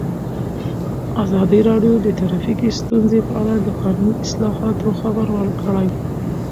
ازادي راډیو د ټرافیکي ستونزې په اړه د قانوني اصلاحاتو خبر ورکړی.